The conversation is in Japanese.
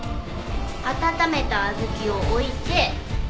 温めた小豆を置いて。